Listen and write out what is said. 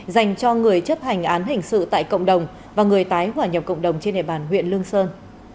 dành cho người chấp hành án hình sự tại cộng đồng và người tái hỏa nhập cộng đồng trên địa bàn huyện lương sơn